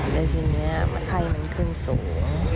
แล้วทีนี้ไข้มันขึ้นสูง